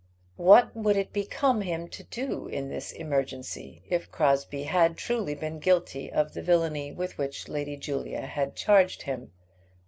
What would it become him to do in this emergency if Crosbie had truly been guilty of the villany with which Lady Julia had charged him?